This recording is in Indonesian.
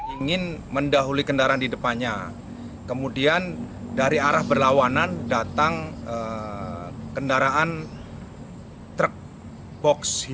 ingin mendahului kendaraan di depannya kemudian dari arah berlawanan datang kendaraan truk box